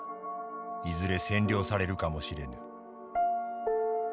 いずれ占領されるかも知れぬ」。